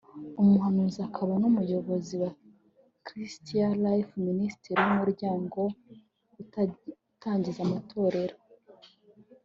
umuhanuzi akaba n’umuyobozi wa Christian Life Ministry umuryango utangiza amatorero